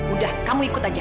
udah kamu ikut aja